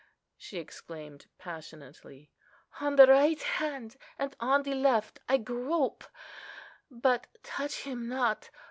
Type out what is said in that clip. she exclaimed, passionately. "On the right hand and on the left I grope, but touch Him not.